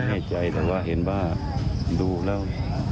ไม่แน่ใจแต่ว่าเห็นว่าดูแล้ว